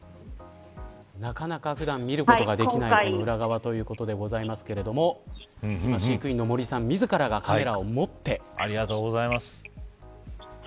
なかなか普段見ることができない裏側ということでございますが飼育員の森さん自らがカメラを持って。